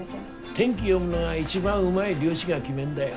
天気読むのが一番うまい漁師が決めんだよ。